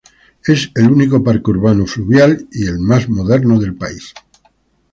Es el único parque urbano fluvial y el más moderno del país.